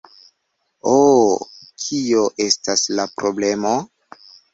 Oh, kio estas la problemo?